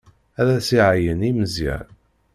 Ad as-iɛeyyen i Meẓyan.